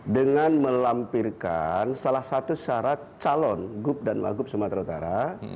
dengan melampirkan salah satu syarat calon gub dan wagub sumatera utara